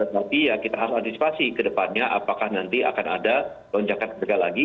tapi ya kita harus antisipasi ke depannya apakah nanti akan ada lonjakan harga lagi